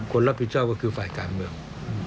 คนรับผิดชอบก็คือฝ่ายการเมือง